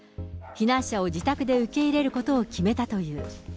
避難者を自宅で受け入れることを決めたという。